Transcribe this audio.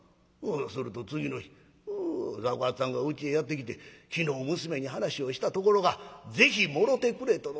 すると次の日雑穀八さんがうちへやって来て『昨日娘に話をしたところがぜひもろてくれとのこと。